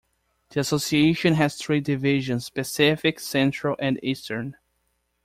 The association has three divisions: Pacific, Central and Eastern.